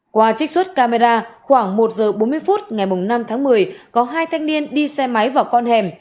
qua trích xuất camera khoảng một giờ bốn mươi phút ngày năm tháng một mươi có hai thanh niên đi xe máy vào con hẻm